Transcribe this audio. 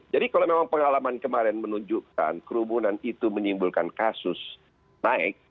jadi kalau memang pengalaman kemarin menunjukkan kerumunan itu menimbulkan kasus naik